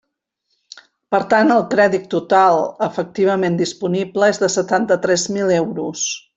Per tant, el crèdit total efectivament disponible és de setanta-tres mil euros.